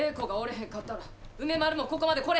へんかったら梅丸もここまで来れ